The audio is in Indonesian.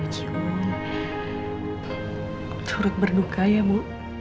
curut berduka ya ibu